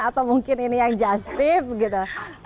atau mungkin ini yang justip gitu